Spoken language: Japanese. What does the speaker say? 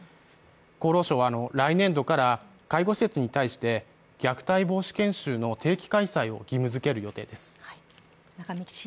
厚労省は来年度から介護施設に対して虐待防止研修の定期開催を義務づける予定です。